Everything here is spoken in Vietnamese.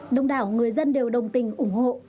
đông đảo người dân đều đồng tình ủng hộ